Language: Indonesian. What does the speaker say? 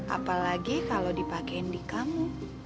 apalagi kalau dipakaiin di kamu